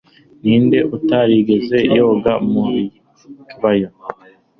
ninde utarigeze yoga mu kibaya